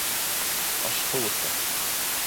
Аш-һыу оҫтаһы.